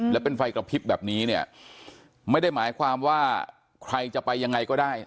แล้วเป็นไฟกระพริบแบบนี้เนี่ยไม่ได้หมายความว่าใครจะไปยังไงก็ได้